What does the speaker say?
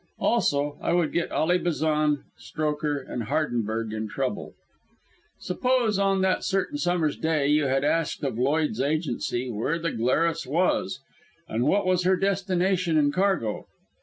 Also, I would get "Ally Bazan," Strokher and Hardenberg into trouble. Suppose on that certain summer's day, you had asked of Lloyds' agency where the Glarus was, and what was her destination and cargo.